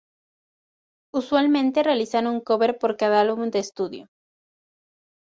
Usualmente realizan un cover por cada álbum de estudio.